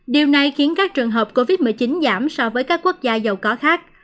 điều này khiến các trường hợp covid một mươi chín giảm so với các quốc gia giàu có khác